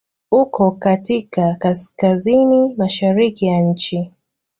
Uko katika Kaskazini mashariki ya nchi.